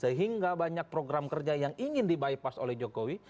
sehingga banyak program kerja yang ingin di bypass oleh jokowi